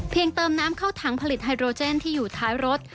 เติมน้ำเข้าถังผลิตไฮโรเจนที่อยู่ท้ายรถ